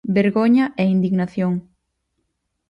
Vergoña e indignación!